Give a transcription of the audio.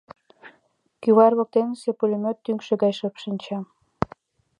Кӱвар воктенысе пулемёт тӱҥшӧ гай шып шинча.